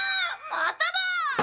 まただ！